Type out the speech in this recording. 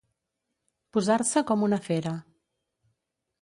Posar-se com una fera.